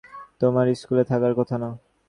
তোমার স্কুলে থাকার কথা না?